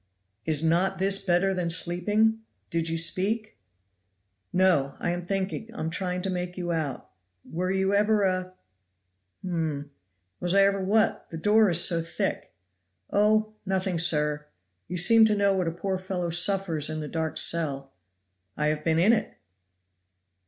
"Is not this better than sleeping? Did you speak?" "No! I am thinking! I am trying to make you out. Were you ever a p (hum)?" "Was I ever what? the door is so thick!" "Oh! nothing, sir; you seem to know what a poor fellow suffers in the dark cell." "I have been in it!"